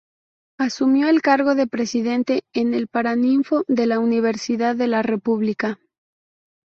Asumió el cargo de presidente en el paraninfo de la Universidad de la República.